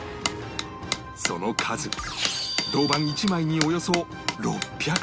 その数銅板１枚におよそ６００